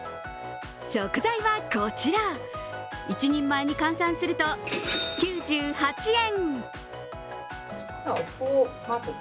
食材はこちら、１人前に換算すると９８円。